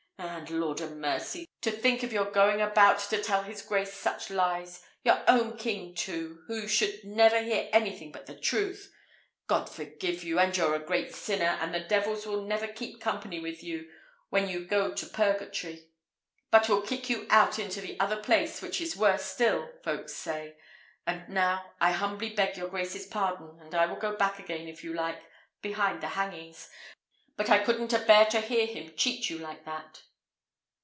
And, Lord 'a mercy! to think of your going about to tell his grace such lies! your own king, too, who should never hear anything but the truth! God forgive you, for you're a great sinner, and the devils will never keep company with you when you go to purgatory, but will kick you out into the other place, which is worse still, folks say. And now, I humbly beg your grace's pardon, and will go back again, if you like, behind the hangings; but I couldn't abear to hear him cheat you like that."